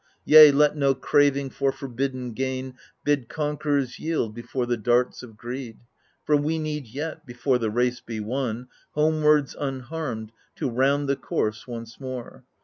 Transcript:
Yea, let no craving for forbidden gain Bid conquerors yield before the darts of greed. For we need yet, before the race be won. Homewards, unharmed, to round the course once more.